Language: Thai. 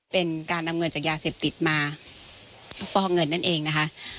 เป็นการนำเงินจากยาเสพติดมาฟอกเงินนั่นเองนะคะ